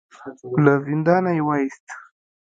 له زندانه يې وايست.